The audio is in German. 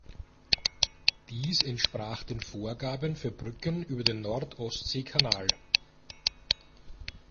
Dies entsprach den Vorgaben für Brücken über den Nord-Ostsee-Kanal.